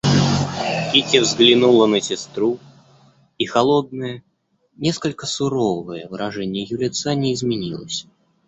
Кити взглянула на сестру, и холодное, несколько суровое выражение ее лица не изменилось.